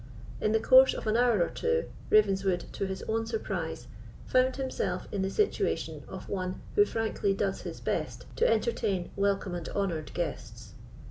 In the course of an hour or two, Ravenswood, to his own surprise, found himself in the situation of one who frankly does his best to entertain welcome and honoured guests.